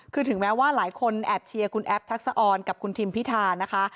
คือถึงแม้ว่าหลายคนแอบเชียร์คุณแอฟทักษะออนกับคุณทิมพิธานะคะ